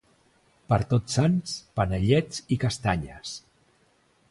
Per Tots Sants panellets i castanyes